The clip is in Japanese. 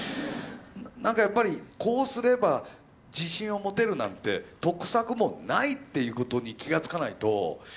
なんかやっぱりこうすれば自信を持てるなんて得策もないっていうことに気が付かないと。